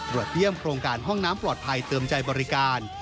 เยี่ยมโครงการห้องน้ำปลอดภัยเติมใจบริการ